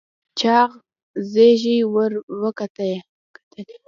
چاغ زيږې ور وکتلې.